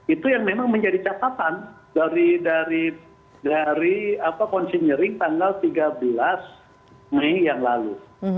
itu yang memang menjadi catatan dari konsenering tanggal tiga belas mei yang lalu